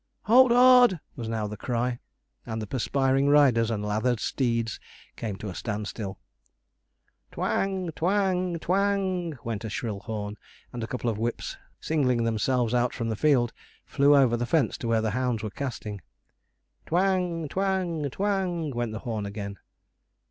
'Hold hard!' was now the cry, and the perspiring riders and lathered steeds came to a standstill. 'Twang twang twang,' went a shrill horn; and a couple of whips, singling themselves out from the field, flew over the fence to where the hounds were casting. 'Twang twang twang,' went the horn again.